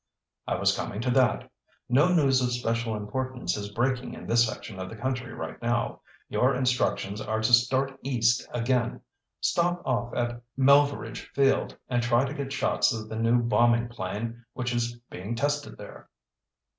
"I was coming to that. No news of special importance is breaking in this section of the country right now. Your instructions are to start East again. Stop off at Melveredge Field and try to get shots of the new bombing plane which is being tested there."